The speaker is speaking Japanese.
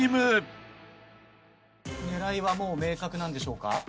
狙いはもう明確なんでしょうか？